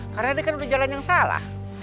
karena dia kan udah jalan yang salah